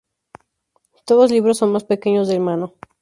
Todos libros son más pequeños del mano.